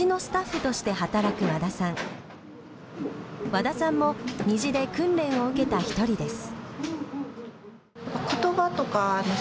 和田さんもにじで訓練を受けた一人です。